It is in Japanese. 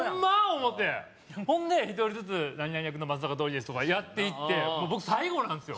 思ってほんで１人ずつ何々役の松坂桃李ですとかやっていって僕最後なんすよ